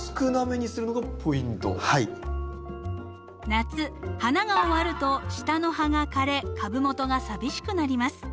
夏花が終わると下の葉が枯れ株元が寂しくなります。